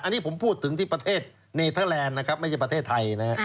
อันนี้ผมพูดถึงที่ประเทศเนเทอร์แลนด์นะครับไม่ใช่ประเทศไทยนะครับ